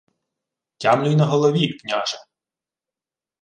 — Тямлю й на голові, княже.